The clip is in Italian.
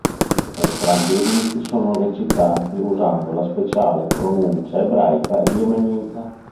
Entrambi i riti sono recitati usando la speciale pronuncia ebraica yemenita.